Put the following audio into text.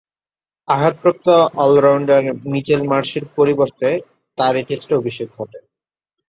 আঘাতপ্রাপ্ত all rounder Mitchell মার্শের পরিবর্তে তার এ টেস্ট অভিষেক ঘটে।